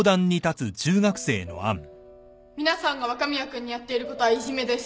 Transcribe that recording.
皆さんが若宮君にやっていることはいじめです